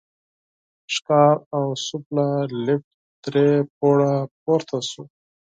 ښکار او سوفله، لېفټ درې پوړه پورته شو.